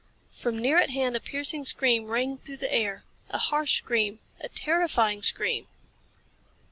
From near at hand a piercing scream rang through the air. A harsh scream. A terrifying scream!